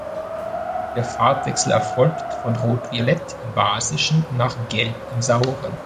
Der Farbwechsel erfolgt von Rotviolett im Basischen nach Gelb im Sauren.